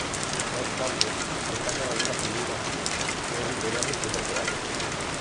No obstante, destacan algunas figuras, unas literarias y otras reales.